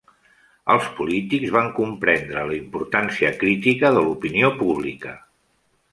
Els polítics van comprendre la importància crítica de l'opinió pública.